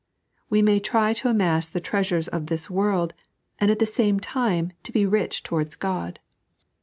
We may tiy to amass the treasures of this world, and at the same time to be rich towards God.